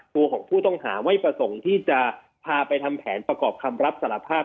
ตัวของผู้ต้องหาไม่ประสงค์ที่จะพาไปทำแผนประกอบคำรับสารภาพ